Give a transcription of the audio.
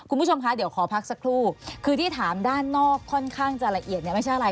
คุณผู้ชมคะเดี๋ยวขอพักสักครู่คือที่ถามด้านนอกค่อนข้างจะละเอียดเนี่ยไม่ใช่อะไร